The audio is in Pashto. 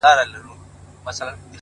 ځكه ځوانان ورانوي ځكه يې زړگي ورانوي ـ